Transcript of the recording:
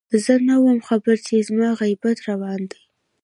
زه نه وم خبر چې زما غيبت روان دی